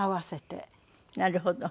なるほど。